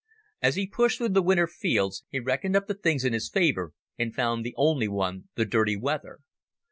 As he pushed through the winter fields he reckoned up the things in his favour, and found the only one the dirty weather.